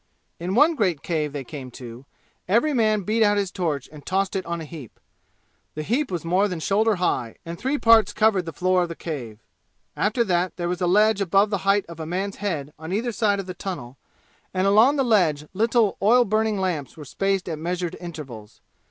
In one great cave they came to every man beat out his torch and tossed it on a heap. The heap was more than shoulder high, and three parts covered the floor of the cave. After that there was a ledge above the height of a man's head on either side of the tunnel, and along the ledge little oil burning lamps were spaced at measured intervals.